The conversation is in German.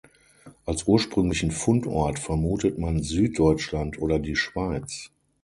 Als ursprünglichen Fundort vermutet man Süddeutschland oder die Schweiz.